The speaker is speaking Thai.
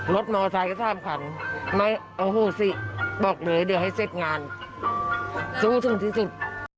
รถมอทายก็ท่ามขันไม่โฆษีบอกเลยเดี๋ยวให้เสร็จงานสู้ทุ่มที่สุด